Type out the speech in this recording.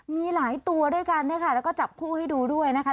มีหลายตัวด้วยกันเนี่ยค่ะแล้วก็จับคู่ให้ดูด้วยนะคะ